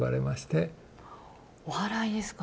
おはらいですか？